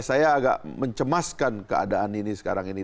saya agak mencemaskan keadaan ini sekarang ini